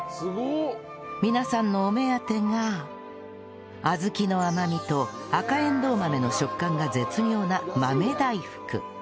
皆さんのお目当てが小豆の甘みと赤えんどう豆の食感が絶妙な